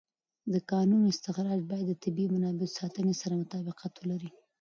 د کانونو استخراج باید د طبیعي منابعو د ساتنې سره مطابقت ولري.